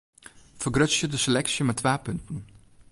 Fergrutsje de seleksje mei twa punten.